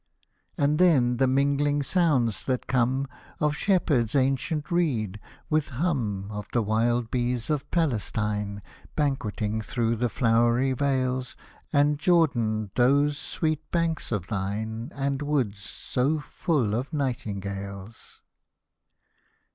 And then the mingling sounds that come, Of shepherd's ancient reed, with hum Of the wild bees of Palestine, Banqueting through the flowery vales ; And, Jordan, those sweet banks of thine, And woods, so full of nightingales.